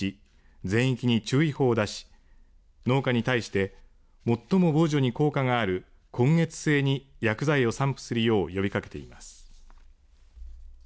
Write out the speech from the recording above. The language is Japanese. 全域に注意報を出し農家に対して最も防除に効果がある今月末に薬剤を散布するよう呼びかけています。